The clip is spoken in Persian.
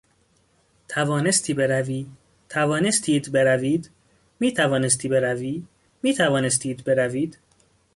توانستی بروی؟ توانستید بروید؟ میتوانستی بروی؟ میتوانستید بروید؟